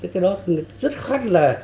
cái đó rất khắc là